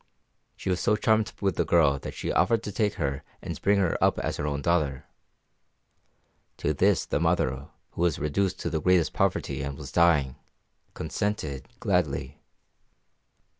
She was so charmed with the girl that she offered to take her and bring her up as her own daughter. To this the mother, who was reduced to the greatest poverty and was dying, consented gladly.